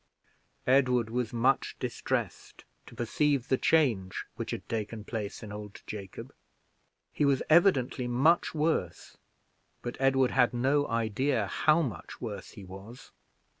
Edward was much distressed to perceive the change which had taken place in old Jacob. He was evidently much worse; but Edward had no idea how much worse he was.